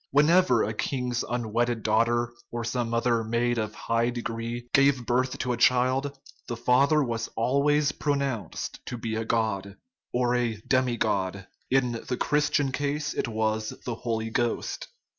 Whenever a king's unwedded daugh ter, or some other maid of high degree, gave birth to a child, the father was always pronounced to be a god, or a demi god; in the Christian case it was the Holy Ghost.